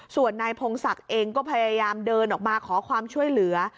ส่วนนายพงศักดิ์เองก็พยายามเดินออกมาขอความช่วยเหลือ